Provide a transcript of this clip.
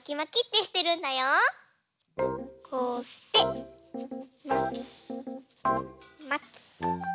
こうしてまきまき。